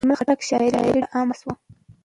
د اجمل خټک شاعري ډېر عامه شوه.